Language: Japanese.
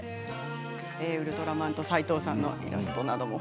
ウルトラマンと斎藤さんのイラストも。